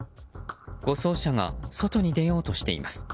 護送車が外に出ようとしています。